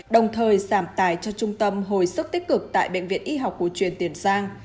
đồng thời giảm tài cho trung tâm hồi sức tích cực tại bệnh viện y học cổ truyền tiền giang